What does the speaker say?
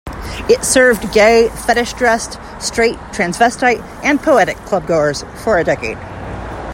It served gay, fetish-dressed, straight, transvestite and poetic clubgoers for a decade.